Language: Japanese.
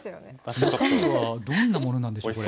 中身はどんなものなんでしょう。